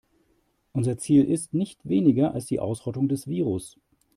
Unser Ziel ist nicht weniger als die Ausrottung des Virus.